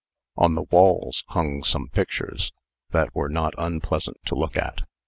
On the walls hung some pictures, that were not unpleasant to look at.